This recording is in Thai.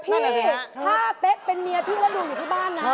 พี่ถ้าเป็กเป็นเมียพี่แล้วดูอยู่ที่บ้านนะ